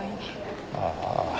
ああ。